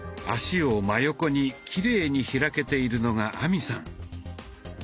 脚を真横にきれいに開けているのが亜美さん。